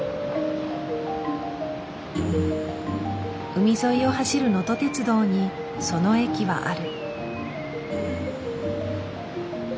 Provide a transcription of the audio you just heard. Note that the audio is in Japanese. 海沿いを走るのと鉄道にその駅はある。